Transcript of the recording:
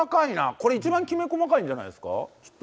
これ一番きめ細かいんじゃないですかきっと。